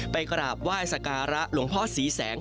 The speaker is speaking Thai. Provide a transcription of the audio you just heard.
กราบไหว้สการะหลวงพ่อศรีแสง